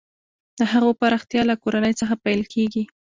د هغو پراختیا له کورنۍ څخه پیل کیږي.